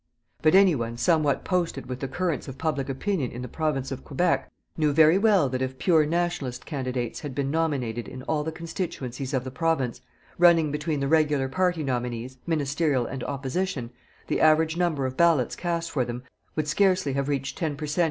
But any one somewhat posted with the currents of public opinion in the Province of Quebec, knew very well that if pure "Nationalist" candidates had been nominated in all the constituencies of the Province, running between the regular party nominees, ministerial and opposition the average number of ballots cast for them would scarcely have reached ten per cent.